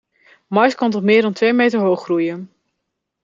Maïs kan tot meer dan twee meter hoog groeien.